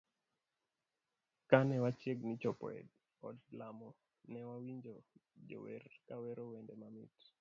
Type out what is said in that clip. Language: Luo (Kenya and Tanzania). Kane wachiegni chopo e od lamo, newawinjo jo wer kawero wende mamit.